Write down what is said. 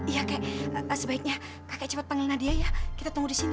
ya kayak sebaiknya kakek cepat panggil nadia ya kita tunggu di sini